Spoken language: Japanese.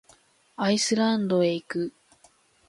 アイスランドへ行く。